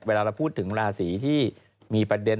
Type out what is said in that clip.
เวลาเราพูดถึงราศีที่มีประเด็น